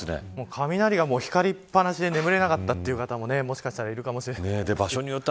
雷が光っぱなしで眠れなかったという方もいるかもしれません。